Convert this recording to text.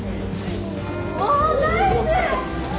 おナイス！